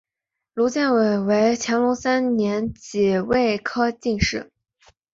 胡建伟为乾隆三年己未科进士。